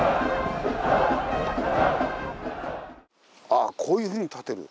ああこういうふうに立てる。